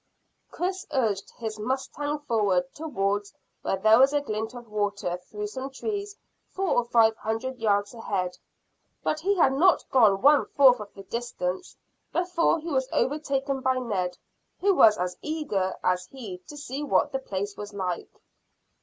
Chris urged his mustang forward towards where there was a glint of water through some trees four or five hundred yards ahead, but he had not gone one fourth of the distance before he was overtaken by Ned, who was as eager as he to see what the place was like.